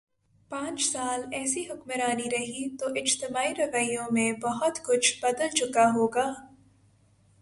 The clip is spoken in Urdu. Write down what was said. پانچ سال ایسی حکمرانی رہی تو اجتماعی رویوں میں بہت کچھ بدل چکا ہو گا۔